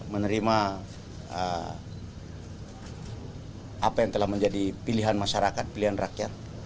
menerima apa yang telah menjadi pilihan masyarakat pilihan rakyat